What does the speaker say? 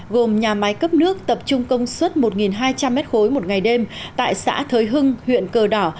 gồm nhà máy cấp nước tập trung công suất một hai trăm linh m ba một ngày đêm tại xã thới hưng huyện cờ đỏ